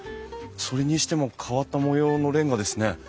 それにしても変わった模様のレンガですね。